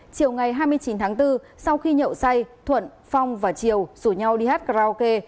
chiều ngày hai mươi chín tháng bốn sau khi nhậu say thuận phong và triều rủ nhau đi hát karaoke